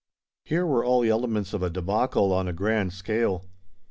Here were all the elements of a débâcle on a grand scale.